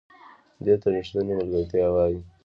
دې ته ریښتینې ملګرتیا وایي .